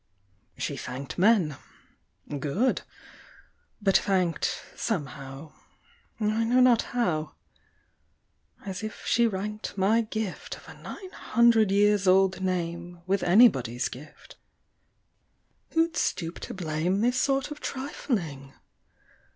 She thanked men good! but thanked Somehow I know not how as if she ranked My gift of a nine hundred years old name With anybody's gift. Who'd stoop to blame This sort of trifling?